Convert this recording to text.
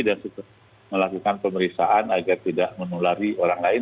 dan melakukan pemeriksaan agar tidak menulari orang lain